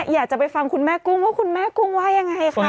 อยากจะไปฟังคุณแม่กุ้งว่าคุณแม่กุ้งว่ายังไงคะ